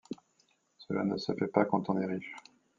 Cela ne se fait pas quand on est riche.